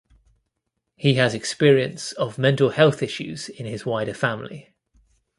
He has experience of mental health issues in his wider family.